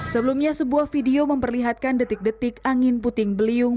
sebelumnya sebuah video memperlihatkan detik detik angin puting beliung